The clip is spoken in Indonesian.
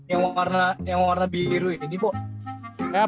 yang warna biru ini